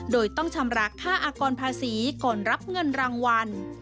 โดยต้องชำระค่าอากรภาษีก่อนรับเงินรางวัล